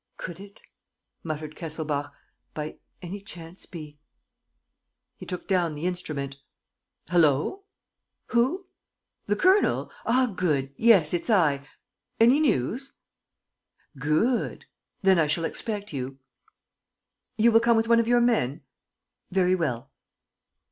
"Could it," muttered Kesselbach, "by any chance be ...?" He took down the instrument. "Hullo! ... Who? The Colonel? Ah, good! Yes, it's I. ... Any news? ... Good! ... Then I shall expect you. ... You will come with one of your men? Very well.